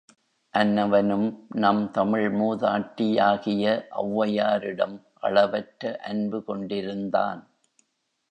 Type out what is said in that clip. அன்னவனும் நம் தமிழ் மூதாட்டியாகிய ஒளவையாரிடம் அளவற்ற அன்புகொண்டிருந்தான்.